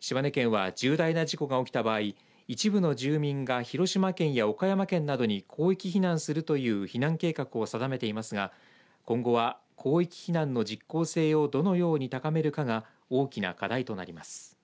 島根県は重大な事故が起きた場合一部の住民が広島県や岡山県などに広域避難するという避難計画を定めていますが今後は広域避難の実効性をどのように高めるかが大きな課題となります。